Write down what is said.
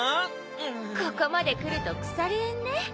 ここまでくると腐れ縁ね。